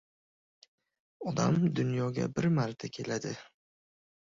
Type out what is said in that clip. – Odam dunyoga bir marta keladi.